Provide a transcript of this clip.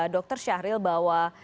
dr syahril bahwa